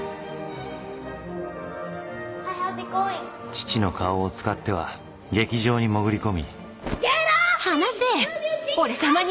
［父の顔を使っては劇場に潜り込み］